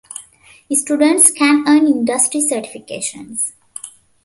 Students can earn industry certifications.